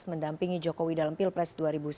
mendampingi jokowi dalam pilpres dua ribu sembilan belas